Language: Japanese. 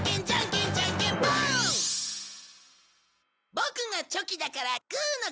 ボクがチョキだからグーの勝ち。